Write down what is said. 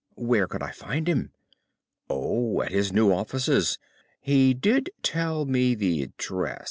"'Where could I find him?' "'Oh, at his new offices. He did tell me the address.